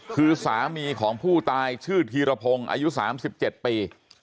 คือสามีของผู้ตายชื่อธีรพงศ์อายุ๓๗ปี